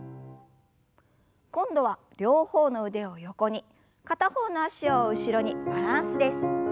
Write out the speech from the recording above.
今度は両方の腕を横に片方の脚を後ろにバランスです。